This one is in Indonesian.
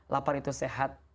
lapar itu sehat